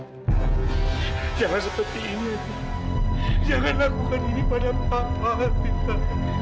evita jangan seperti ini evita jangan lakukan ini pada papa evita